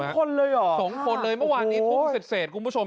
สองคนเลยเหรอสองคนเลยเมื่อวานนี้ทุ่มเสร็จเสร็จคุณผู้ชม